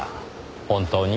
本当に？